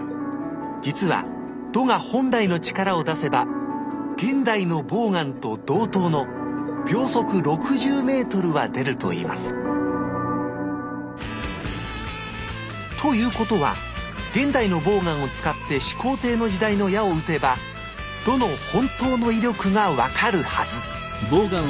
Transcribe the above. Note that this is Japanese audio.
実は弩が本来の力を出せば現代のボウガンと同等の秒速６０ｍは出るといいますということは現代のボウガンを使って始皇帝の時代の矢をうてば弩の本当の威力が分かるはず！